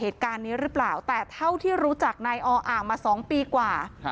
แต่เท่าที่รู้จักนายออ่างมาสองปีกว่า